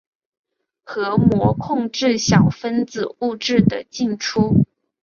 核膜控制小分子物质的进出。